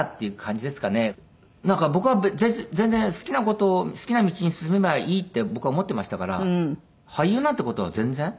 なんか僕は全然好きな事を好きな道に進めばいいって僕は思ってましたから俳優なんていう事は全然。